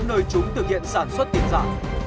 nơi chúng thực hiện sản xuất tiền giả